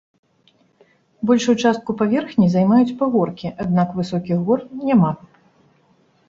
Большую частку паверхні займаюць пагоркі, аднак высокіх гор няма.